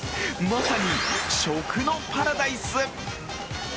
まさに食のパラダイス。